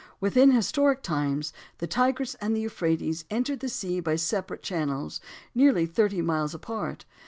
Within historic times, the Tigris and Euphrates entered the sea by separate channels nearly thirty miles apart.